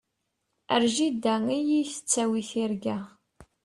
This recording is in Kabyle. Ar jida i yi-tettawi tirga.